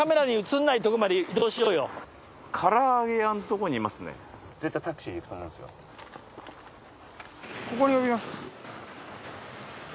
ここに呼びますか？